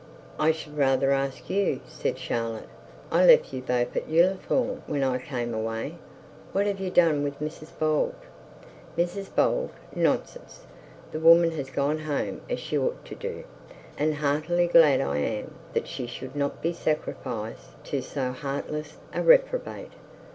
'I should rather ask you,' said Charlotte. 'I left you both at Ullathorne, when I came away. What have you done with Mrs Bold?' 'Mrs Bold! nonsense. The woman has gone home as she ought to do. And heartily glad I am that she should not be sacrificed to so heartless a reprobate.'